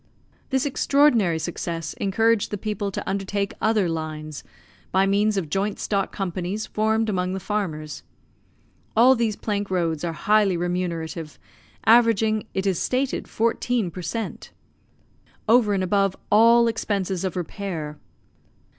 This extraordinary success encouraged the people to undertake other lines, by means of joint stock companies formed among the farmers. All these plank roads are highly remunerative, averaging, it is stated, fourteen per cent. over and above all expenses of repair.